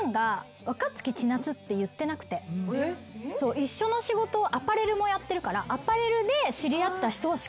一緒の仕事アパレルもやってるから。